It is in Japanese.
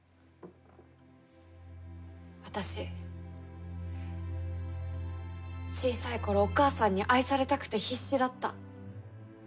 私小さい頃お母さんに愛されたくて必死だった。